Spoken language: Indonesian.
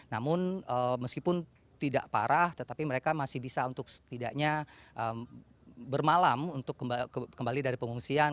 namun meskipun tidak parah tetapi mereka masih bisa untuk setidaknya bermalam untuk kembali dari pengungsian